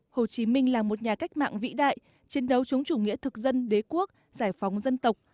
hồ chí minh là một nhà cách mạng vĩ đại chiến đấu chống chủ nghĩa thực dân đế quốc giải phóng dân tộc